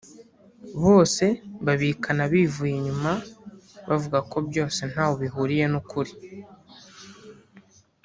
bose babikana bivuye inyuma bavuga ko byose ntaho bihuriye n’ukuri